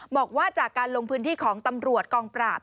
บอกว่าจากการลงพื้นที่ของตำรวจกองปราบ